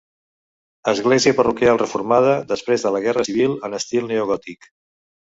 Església parroquial reformada després de la guerra civil en estil neogòtic.